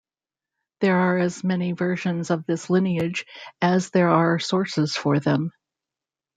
There are as many versions of this lineage as there are sources for them.